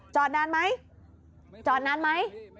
นานไหมจอดนานไหม